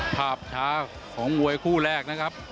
ภาพช้าของมวยคู่แรกนะครับ